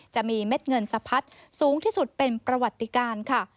เม็ดเงินสะพัดสูงที่สุดเป็นประวัติการค่ะ